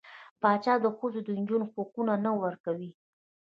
پاچا د ښځو او نجونـو حقونه نه ورکوي .